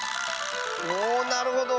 おおなるほど。